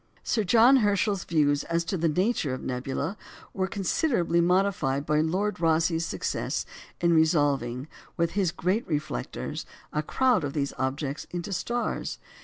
Sir John Herschel's views as to the nature of nebulæ were considerably modified by Lord Rosse's success in "resolving" with his great reflectors a crowd of these objects into stars.